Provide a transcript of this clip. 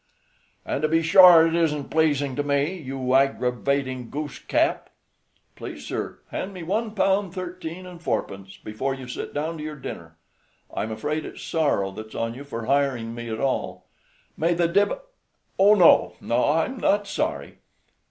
"And to be sure it isn't pleasing to me, you aggravating goose cap!" "Please, sir, hand me one pound thirteen and fourpence before you sit down to your dinner. I'm afraid it's sorrow that's on you for hiring me at all." "May the div oh, no; I'm not sorry.